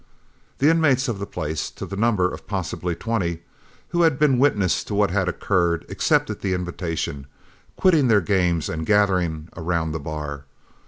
The inmates of the place, to the number of possibly twenty, who had been witness to what had occurred, accepted the invitation, quitting their games and gathering around the bar.